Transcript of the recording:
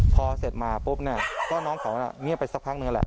พอเสร็จมาพบน้องเขามิ้บไปสักพักนึงและ